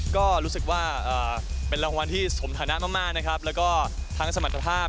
ก็รู้สึกว่าเป็นรางวัลที่สมฐานะมากนะครับแล้วก็ทั้งสมรรถภาพ